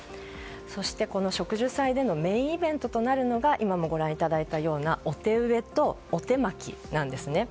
そして、この植樹祭でのメインイベントとなるのが今もご覧になったお手植えとお手まきなんですね。